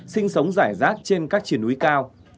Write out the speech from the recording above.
sinh sống rải rác trên các triển núi cao